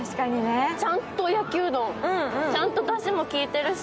ちゃんと焼きうどん、ちゃんとだしもきいてるし。